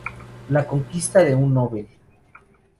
La conquista de un Nobel".